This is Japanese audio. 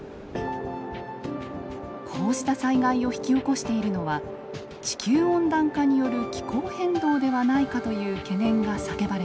こうした災害を引き起こしているのは地球温暖化による気候変動ではないかという懸念が叫ばれています。